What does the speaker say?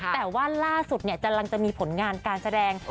แต่ว่าล่าสุดกำลังจะมีผลงานการแสดง